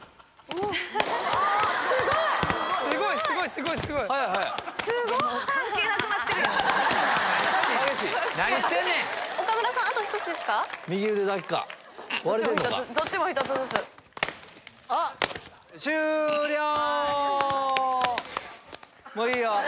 もういいよ。